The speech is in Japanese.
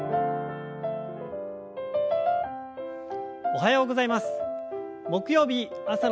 おはようございます。